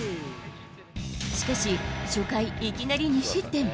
しかし、初回、いきなり２失点。